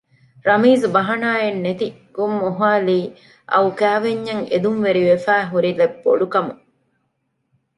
ރަމީޒު ބަހަނާއެއް ނެތި ގޮށް މޮހައިލީ އައު ކައިވެންޏަށް އެދުންވެރިވެފައި ހުރިލެއް ބޮޑުކަމުން